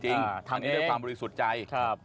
ทำนี้ด้วยความบริสุทธิ์ใจ